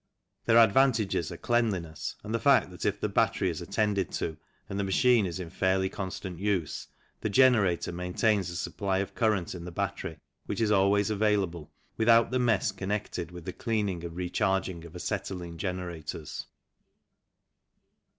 Their advantages are cleanliness, and the fact that if the battery is attended to and the machine is in fairly constant use, the generator main tains a supply of current in the battery which is always available, without the mess connected with the cleaning and recharging of acetylene generators.